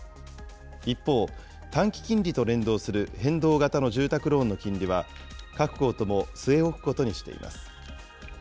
一方、短期金利と連動する変動型の住宅ローンの金利は、各行とも据え置くことにしています。